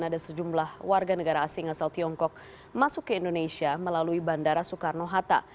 ada sejumlah warga negara asing asal tiongkok masuk ke indonesia melalui bandara soekarno hatta